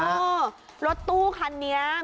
รถตู้คันเนี้ยมีรถตู้ที่มีผิดใจมาเต็มคัน